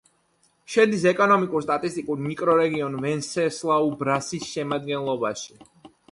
შედის ეკონომიკურ-სტატისტიკურ მიკრორეგიონ ვენსესლაუ-ბრასის შემადგენლობაში.